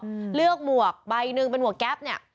อืมเลือกหมวกใบหนึ่งเป็นหมวกแก๊ปเนี้ย